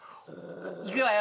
いくわよ。